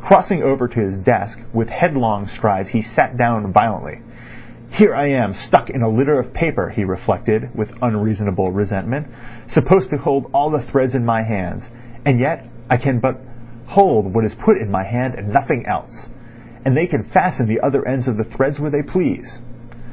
Crossing over to his desk with headlong strides, he sat down violently. "Here I am stuck in a litter of paper," he reflected, with unreasonable resentment, "supposed to hold all the threads in my hands, and yet I can but hold what is put in my hand, and nothing else. And they can fasten the other ends of the threads where they please."